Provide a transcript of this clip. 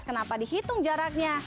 kenapa dihitung jaraknya